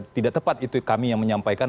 tidak tepat itu kami yang menyampaikan